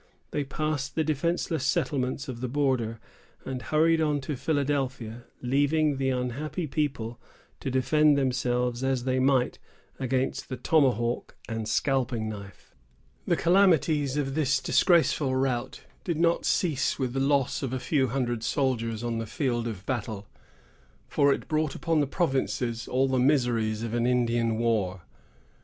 They passed the defenceless settlements of the border, and hurried on to Philadelphia, leaving the unhappy people to defend themselves as they might against the tomahawk and scalping knife. The calamities of this disgraceful rout did not cease with the loss of a few hundred soldiers on the field of battle; for it brought upon the provinces all the miseries of an Indian war.